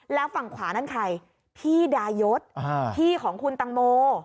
แล้วฝั่งขวานั่นใครพี่ดายศพี่ของคุณตังโม